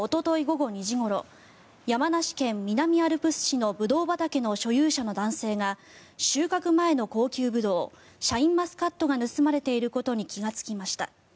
午後２時ごろ山梨県南アルプス市のブドウ畑の所有者の男性が収穫前の高級ブドウシャインマスカットが盗まれていることに気がつきました。